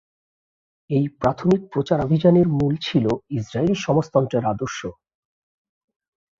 এই প্রাথমিক প্রচারাভিযানের মূল ছিল ইসরায়েলি সমাজতন্ত্রের আদর্শ।